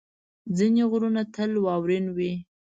ځینې غرونه تل واورین وي.